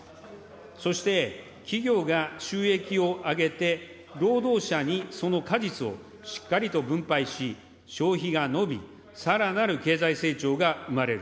そして、企業が収益を上げて、労働者にその果実をしっかりと分配し、消費が伸び、さらなる経済成長が生まれる。